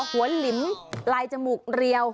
หัวหลิมลายจมูกเรียว